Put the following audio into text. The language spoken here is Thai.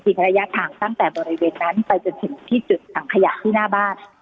ระยะทางตั้งแต่บริเวณนั้นไปจนถึงที่จุดถังขยะที่หน้าบ้าน